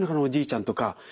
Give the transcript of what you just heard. おじいちゃんとか。